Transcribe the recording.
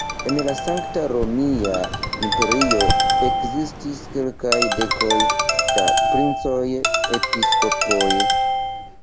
En la Sankta Romia Imperio ekzistis kelkaj dekoj da princoj-episkopoj.